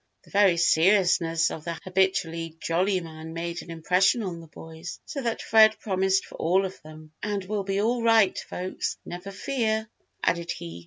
The very seriousness of the habitually jolly man made an impression on the boys so that Fred promised for all of them. "And we'll be all right, folks, never fear," added he.